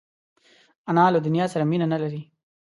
انا له دنیا سره مینه نه لري